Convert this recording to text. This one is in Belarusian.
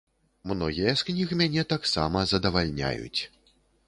Многія з кніг мяне таксама задавальняюць.